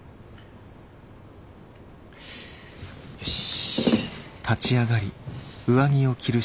よし。